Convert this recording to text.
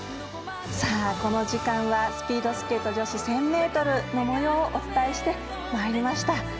この時間はスピードスケート女子１０００ｍのもようをお伝えしてまいりました。